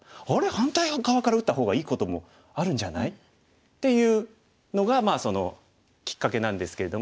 反対側から打った方がいいこともあるんじゃない？」っていうのがきっかけなんですけれども。